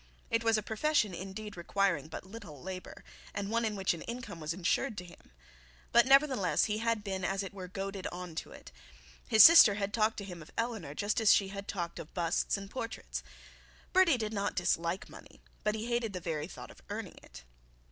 It was a profession indeed requiring but little labour, and one in which an income was insured to him. But nevertheless he had been as it were goaded on to it; his sister had talked to him of Eleanor, just as she had talked of busts and portraits. Bertie did not dislike money, but he hated the very thought of earning it.